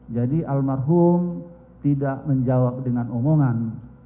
jadi almarhum tidak menjawab dengan omongan